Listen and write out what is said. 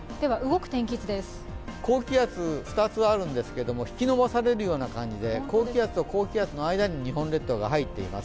高気圧が２つあるんですけれども、引き延ばされるような感じで、高気圧と高気圧の間に日本列島が入っています。